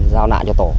giao nạn cho tổ